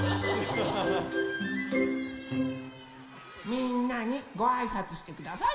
みんなにごあいさつしてください。